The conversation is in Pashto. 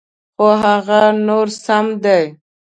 خو هغه نور سم دي.